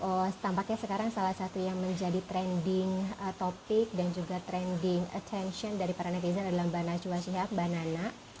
oh tampaknya sekarang salah satu yang menjadi trending topik dan juga trending attention dari para netizen adalah mbak najwa shihab mbak nana